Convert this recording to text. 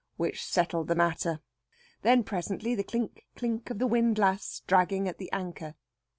Which settled the matter. Then presently the clink clink of the windlass dragging at the anchor.